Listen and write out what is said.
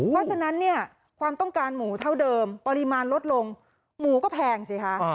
เพราะฉะนั้นเนี่ยความต้องการหมูเท่าเดิมปริมาณลดลงหมูก็แพงสิคะ